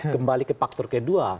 kembali ke faktor kedua